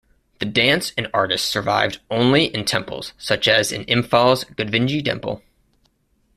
The dance and artists survived only in temples, such as in Imphal's Govindji temple.